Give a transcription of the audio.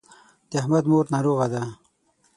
د احمد مور ناروغه ده.